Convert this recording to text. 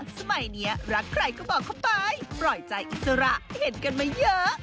สมัยนี้รักใครก็บอกเข้าไปปล่อยใจอิสระเห็นกันมาเยอะ